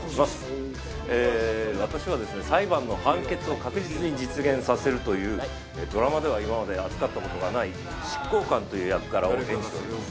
私はですね裁判の判決を確実に実現させるというドラマでは今まで扱った事がない執行官という役柄を演じております。